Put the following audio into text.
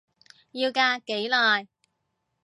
要隔幾耐？